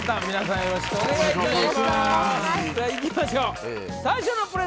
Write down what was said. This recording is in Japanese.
よろしくお願いします